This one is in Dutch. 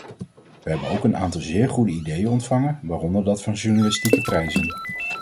We hebben ook aan aantal zeer goede ideeën ontvangen, waaronder dat van journalistieke prijzen.